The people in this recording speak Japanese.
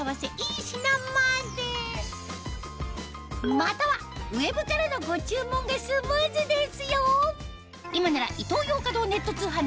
またはウェブからのご注文がスムーズですよ